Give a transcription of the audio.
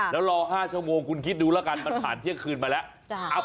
แล้วรอ๕ชั่วโมงคุณคิดดูแล้วกันมันผ่านเที่ยงคืนมาแล้ว